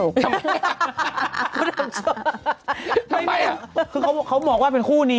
แค่ฮ่า